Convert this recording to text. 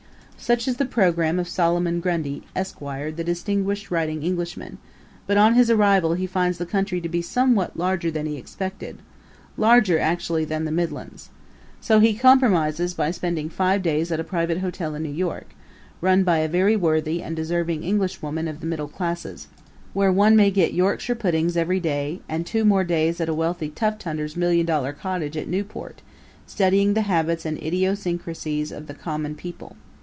Such is the program of Solomon Grundy, Esquire, the distinguished writing Englishman; but on his arrival he finds the country to be somewhat larger than he expected larger actually than the Midlands. So he compromises by spending five days at a private hotel in New York, run by a very worthy and deserving Englishwoman of the middle classes, where one may get Yorkshire puddings every day; and two days more at a wealthy tufthunter's million dollar cottage at Newport, studying the habits and idiosyncrasies of the common people.